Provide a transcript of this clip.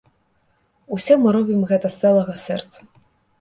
Усе мы робім гэта з цэлага сэрца.